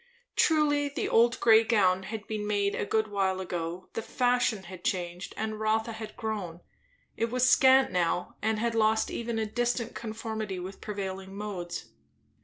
Truly, the old grey gown had been made a good while ago; the fashion had changed, and Rotha had grown; it was scant now and had lost even a distant conformity with prevailing modes.